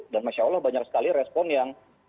dan masya allah banyak sekali respon yang